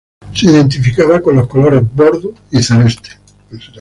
Se identificaba con los colores Bordo y Celeste.